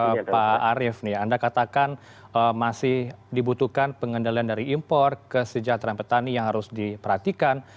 saya ingin konfirmasi langsung ke pak arief nih anda katakan masih dibutuhkan pengendalian dari impor ke sejahtera petani yang harus diperhatikan